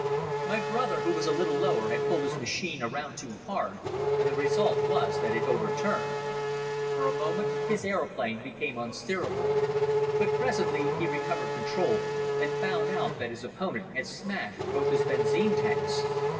My brother, who was a little lower, had pulled his machine around too hard and the result was that it overturned. For a moment his aeroplane became unsteerable. But presently he recovered control and found out that his opponent had smashed both his benzine tanks.